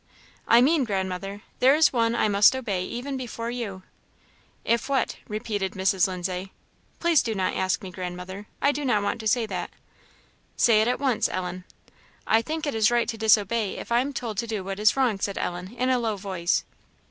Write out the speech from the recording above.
"I mean, Grandmother, there is One I must obey even before you." "If what?" repeated Mrs. Lindsay. "Please do not ask me, Grandmother; I don't want to say that." "Say it at once, Ellen." "I think it is right to disobey if I am told to do what is wrong," said Ellen, in a low voice.